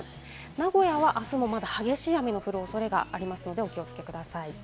名古屋はあすもまだ激しい雨の降るおそれがありますのでお気をつけください。